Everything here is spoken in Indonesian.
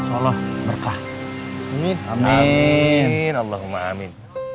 insya allah berkah amin allahumma amin